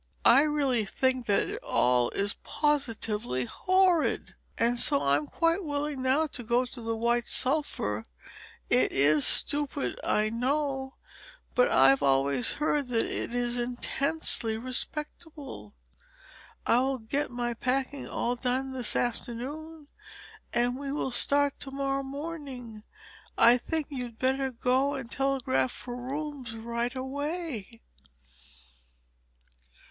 I really think that it all is positively horrid. And so I'm quite willing now to go to the White Sulphur. It is stupid, I know, but I've always heard that it is intensely respectable. I will get my packing all done this afternoon, and we will start to morrow morning; and I think that you'd better go and telegraph for rooms right away."